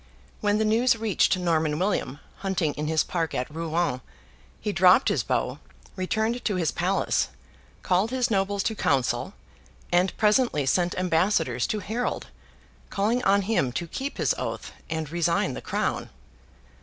When the news reached Norman William, hunting in his park at Rouen, he dropped his bow, returned to his palace, called his nobles to council, and presently sent ambassadors to Harold, calling on him to keep his oath and resign the Crown.